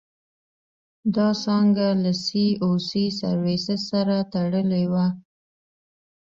دا څانګه له سي او سي سرویسس سره تړلې وه.